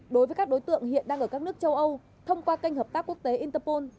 đối với các đối tượng hiện đang ở các nước châu âu thông qua kênh hợp tác quốc tế interpol